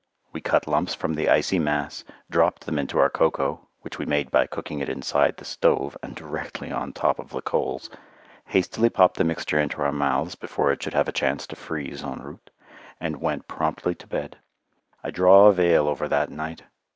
We cut lumps from the icy mass, dropped them into our cocoa (which we made by cooking it inside the stove and directly on top of the coals), hastily popped the mixture into our mouths before it should have a chance to freeze en route, and went promptly to bed. I draw a veil over that night.